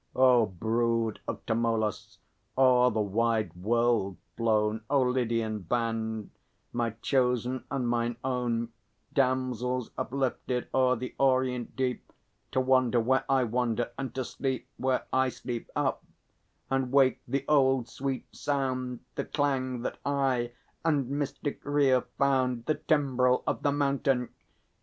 O Brood of Tmolus o'er the wide world flown, O Lydian band, my chosen and mine own, Damsels uplifted o'er the orient deep To wander where I wander, and to sleep Where I sleep; up, and wake the old sweet sound, The clang that I and mystic Rhea found, The Timbrel of the Mountain!